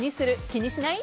気にしない？